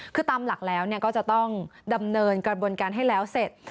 คือตามหลักแล้วก็จะต้องดำเนินกระบวนการให้แล้วเสร็จ